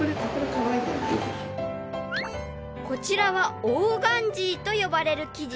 ［こちらはオーガンジーと呼ばれる生地］